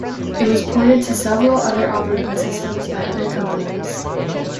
It was ported to several other operating systems by other companies.